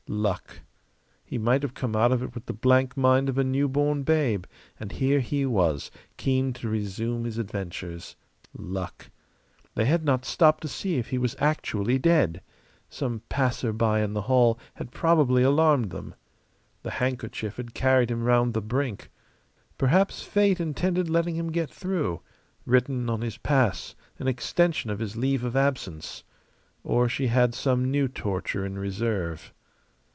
Luck. He might have come out of it with the blank mind of a newborn babe; and here he was, keen to resume his adventures. Luck. They had not stopped to see if he was actually dead. Some passer by in the hall had probably alarmed them. That handkerchief had carried him round the brink. Perhaps Fate intended letting him get through written on his pass an extension of his leave of absence. Or she had some new torture in reserve.